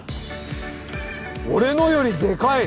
オレのよりでかい。